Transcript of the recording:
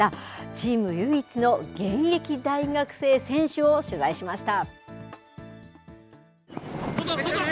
チーム唯一の現役大学生選手を取材しました。